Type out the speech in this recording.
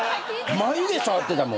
眉毛触ってたもん。